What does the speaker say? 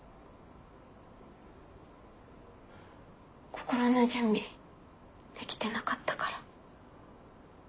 心の準備できてなかったから。